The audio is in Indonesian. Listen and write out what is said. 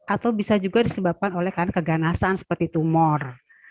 atau bisa juga disebabkan oleh karena keganasan seperti tumor